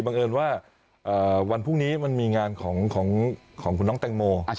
เอิญว่าวันพรุ่งนี้มันมีงานของคุณน้องแตงโม